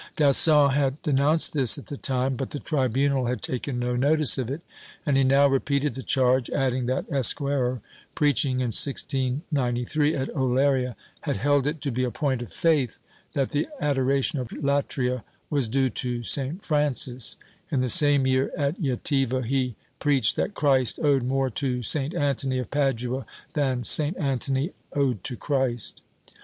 Gascon had denounced this at the time, but the tribunal had taken no notice of it, and he now repeated the charge, adding that Esquerrer, preaching in 1693 at Olleria, had held it to be a point of faith that the adoration of latria was due to St. Francis; in the same year at Jc4tiva he preached that Christ owed more to St. Antony of Padua than St. Antony owed to Christ.